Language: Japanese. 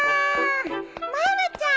まるちゃん。